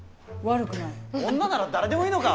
女なら誰でもいいのか！